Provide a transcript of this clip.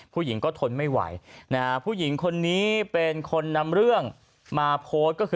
ผู้หญิงก็ทนไม่ไหวนะฮะผู้หญิงคนนี้เป็นคนนำเรื่องมาโพสต์ก็คือ